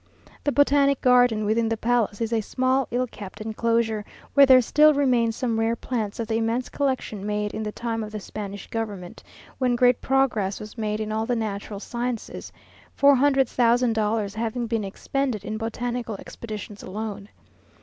The Botanic Garden, within the palace, is a small ill kept enclosure, where there still remain some rare plants of the immense collection made in the time of the Spanish government, when great progress was made in all the natural sciences, four hundred thousand dollars having been expended in botanical expeditions alone.